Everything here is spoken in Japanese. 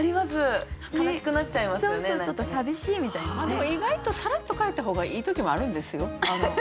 でも意外とさらっと帰った方がいい時もあるんですよ。